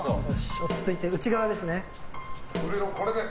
落ち着いて、内側ですね。